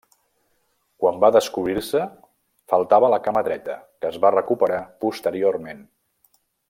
Quan va descobrir-se, faltava la cama dreta, que es va recuperar posteriorment.